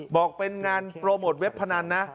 บอกเป็นงานโปรโมทเว็บพนันนะ